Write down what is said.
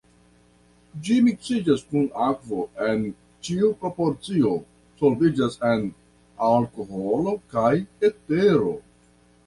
Ĝi miksiĝas kun akvo en ĉiu proporcio, solviĝas en alkoholo kaj etero.